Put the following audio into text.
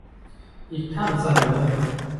อีกท่านเสนอ